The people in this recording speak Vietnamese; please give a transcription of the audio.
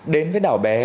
đến với đảo bé